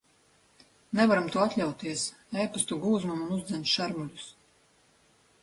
Nevaram to atļauties. Epastu gūzma man uzdzen šermuļus.